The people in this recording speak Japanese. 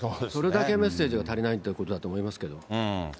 それだけメッセージが足りないっていうことだと思いますけど。